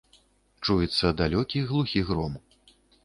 Чуецца далёкі, глухі гром.